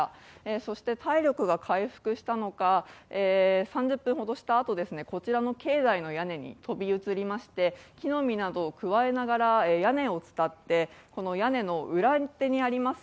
そして体力が回復したのか３０分ほどしたあと、こちらの境内の屋根に飛び移りまして木の実などをくわえながら屋根を伝って屋根の裏手にあります